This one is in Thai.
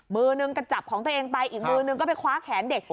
มือนึงก็จับของตัวเองไปอีกมือนึงก็ไปคว้าแขนเด็ก